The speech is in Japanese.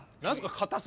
硬さ？